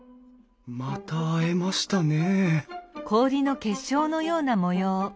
また会えましたねえ